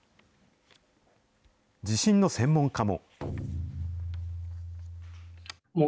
地震の専門家も。